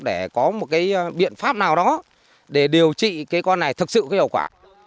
để có một cái biện pháp nào đó để điều trị cái con này thực sự cái hiệu quả